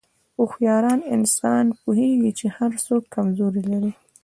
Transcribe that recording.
هوښیار انسان پوهېږي چې هر څوک کمزوري لري.